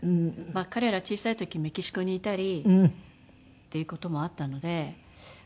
彼ら小さい時メキシコにいたりという事もあったので。